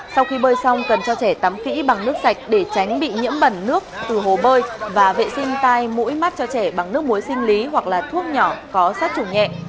sau khi bơi xong cần cho trẻ tắm kỹ bằng nước sạch để tránh bị nhiễm bẩn nước từ hồ bơi và vệ sinh tai mũi mắt cho trẻ bằng nước muối sinh lý hoặc là thuốc nhỏ có sát trùng nhẹ